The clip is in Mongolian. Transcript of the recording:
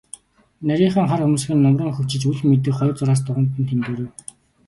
Нарийхан хар хөмсөг нь нумран хөвчилж, үл мэдэг хоёр зураас духанд нь тэмдгэрэв.